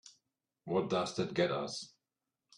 What does that get us?